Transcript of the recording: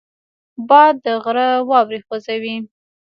باد د غره واورې خوځوي